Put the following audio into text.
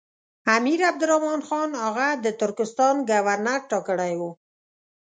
امیر عبدالرحمن خان هغه د ترکستان ګورنر ټاکلی وو.